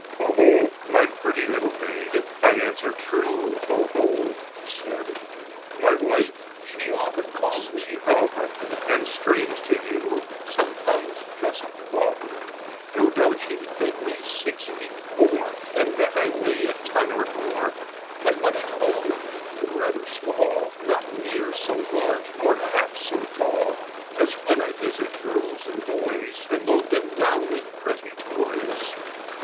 ''" 0 ho ! my pretty little maid. I'll answer true, 0 ho !" he said. Copyrighted, 1897. Y wife, she often calls me hub, ^ And, strange to you, sometimes just bub, No doubt you think me six feet, four, And that I weigh a ton or more, But when at home I'm rather small, Not near so large nor half so tall As when I visit girls and boys And load them down with pretty toys."